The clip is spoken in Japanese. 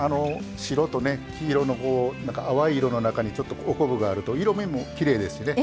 白と黄色の淡い色の中にちょっとお昆布があると色みもきれいですね。